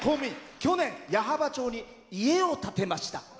去年、矢巾町に家を建てました。